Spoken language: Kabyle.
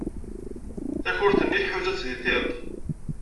Takurt-nni tḥuza-tt deg tiṭ.